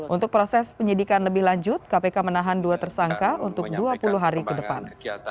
untuk proses penyidikan lebih lanjut kpk menahan dua tersangka untuk dua puluh hari ke depan